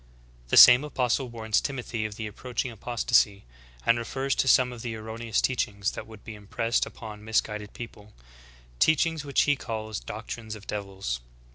29. The same apostle warns Timothy of the approach ing apostasy, and refers to some of the erroneous teach ings that would be impressed upon misguided people, — teachings which he calls ''doctrines of devils."